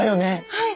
はい！